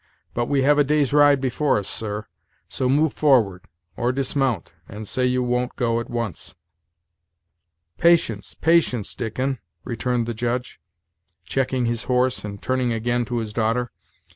But we have a day's ride before us, sir; so move forward, or dismount, and say you won't go at once." "Patience, patience, Dickon," returned the Judge, checking his horse and turning again to his daughter.